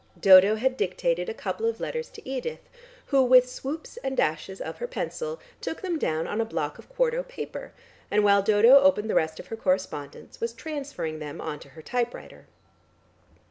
Dodo had dictated a couple of letters to Edith, who with swoops and dashes of her pencil took them down on a block of quarto paper, and while Dodo opened the rest of her correspondence was transferring them on to her typewriter.